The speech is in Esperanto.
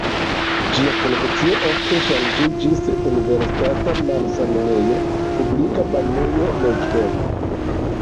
Ĝia funkcio ofte ŝanĝiĝis: universitata malsanulejo, publika banejo, loĝdomo.